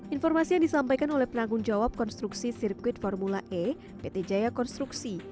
informasi yang disampaikan oleh penanggung jawab konstruksi sirkuit formula e pt jaya konstruksi